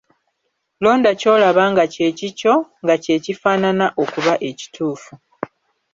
Londa ky'olaba nga kye kikyo, nga kye kifaanana okuba ekitufu.